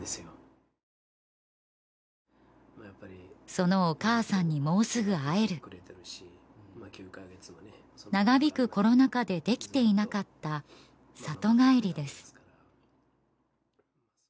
そのお母さんにもうすぐ会える長引くコロナ禍でできていなかった里帰りです